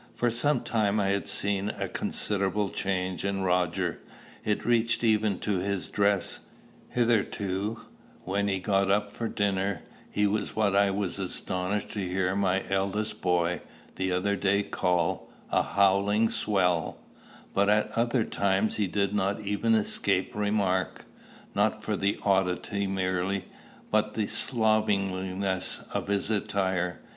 For some time I had seen a considerable change in Roger. It reached even to his dress. Hitherto, when got up for dinner, he was what I was astonished to hear my eldest boy, the other day, call "a howling swell;" but at other times he did not even escape remark, not for the oddity merely, but the slovenliness of his attire.